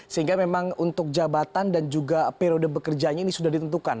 sehingga memang untuk jabatan dan juga periode bekerjanya ini sudah ditentukan